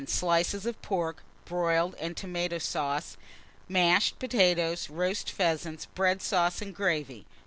Slices of pork, broiled, and tomata sauce, mashed potatoes; roast pheasants, bread sauce, and gravy.